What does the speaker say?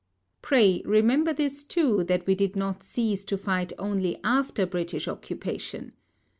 Pray remember this too, that we did not cease to fight only after British occupation.